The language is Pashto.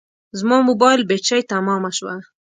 زما موبایل بټري تمامه شوه